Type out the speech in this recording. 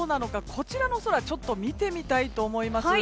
こちらの空見てみたいと思います。